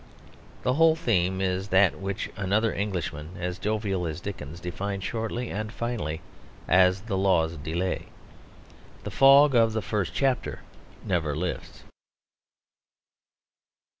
The whole theme is that which another Englishman as jovial as Dickens defined shortly and finally as the law's delay. The fog of the first chapter never lifts.